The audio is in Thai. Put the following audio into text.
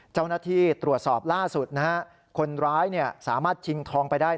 เจ้าหน้าที่ตรวจสอบล่าสุดนะฮะคนร้ายสามารถชิงทองไปได้